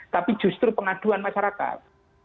tapi justru pengaduan masyarakat